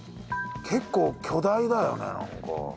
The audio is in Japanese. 結構巨大だよねなんか。